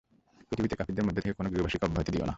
পৃথিবীতে কাফিরদের মধ্য থেকে কোন গৃহবাসীকে অব্যাহতি দিও না।